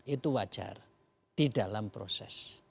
itu wajar di dalam proses